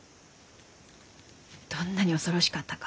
どんなに恐ろしかったか。